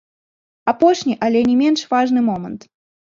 Апошні, але не менш важны момант.